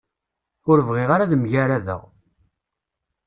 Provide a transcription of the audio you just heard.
Ur bɣiɣ ara ad mgaradeɣ.